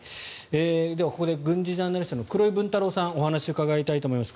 ここで軍事ジャーナリストの黒井文太郎さんにお話をお伺いしたいと思います。